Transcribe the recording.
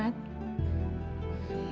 atau untuk kemas pirts